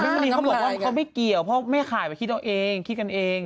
พอดีเขาบอกว่าเขาไม่เกี่ยวเพราะแม่ขายไปคิดเอาเองคิดกันเอง